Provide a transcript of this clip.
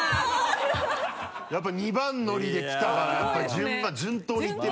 やっぱ２番乗りで来たかやっぱり順当にいってるな。